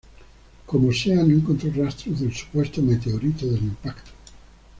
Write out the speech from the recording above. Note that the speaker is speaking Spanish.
Como sea no encontró rastros del supuesto meteorito del impacto.